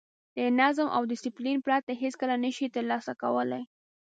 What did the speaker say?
د نظم او ډیسپلین پرته هېڅکله نه شئ ترلاسه کولای.